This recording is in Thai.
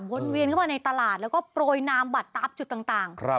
เวียนเข้ามาในตลาดแล้วก็โปรยนามบัตรตามจุดต่าง